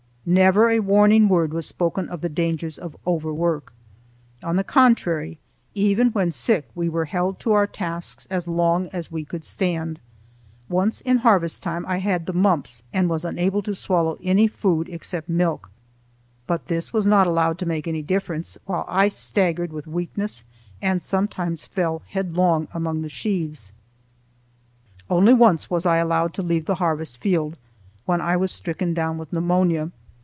Never a warning word was spoken of the dangers of over work. On the contrary, even when sick we were held to our tasks as long as we could stand. Once in harvest time I had the mumps and was unable to swallow any food except milk, but this was not allowed to make any difference, while I staggered with weakness and sometimes fell headlong among the sheaves. Only once was I allowed to leave the harvest field—when I was stricken down with pneumonia.